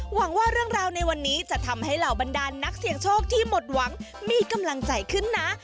หวังว่าเรื่องราวในวันนี้จะทำให้เหล่าบรรดานนักเสี่ยงโชคที่หมดหวังมีกำลังใจขึ้นนะ